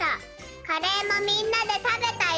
カレーもみんなでたべたよ」。